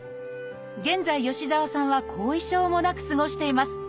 現在吉澤さんは後遺症もなく過ごしています。